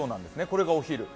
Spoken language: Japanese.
これがお昼。